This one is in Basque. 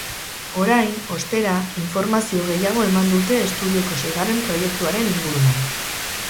Orain, ostera, informazio gehiago eman dute estudioko seigarren proiektuaren inguruan.